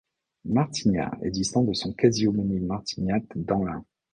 Martigna est distant de son quasi-homonyme Martignat dans l'Ain.